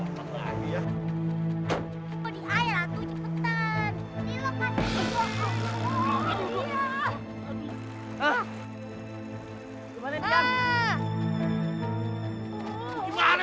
tidak takutlah aja ya